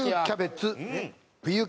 キャベツ冬